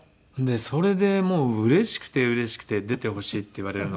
それでもううれしくてうれしくて出てほしいって言われるのが。